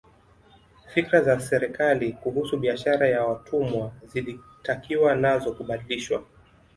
Fikra za serikali kuhusu biashara ya watumwa zilitakiwa nazo kubadilishwa